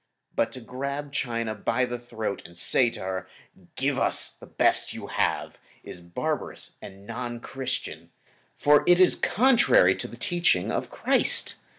But to grab China by the throat and say to her, "Give us the best you have," is barbarous and non Christian; for it is contrary to the teaching of Christ.